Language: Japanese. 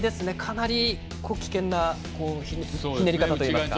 かなり危険なひねり方というか。